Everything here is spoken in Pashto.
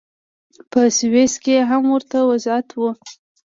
په سویس کې هم ورته وضعیت و.